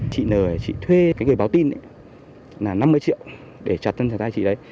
chị n thì chị thuê cái người báo tin là năm mươi triệu để trả thân trả thai chị đấy